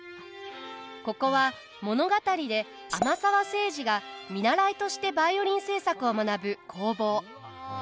ここは、物語で天沢聖司が見習いとしてバイオリン製作を学ぶ工房。